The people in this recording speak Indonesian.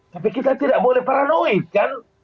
tapi kita tidak boleh paranoid kan